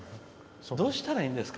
どうしたらいいんですか。